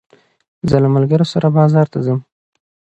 زه له ملګري سره بازار ته ځم.